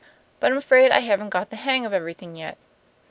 But I'm afraid I haven't got the hang of everything yet.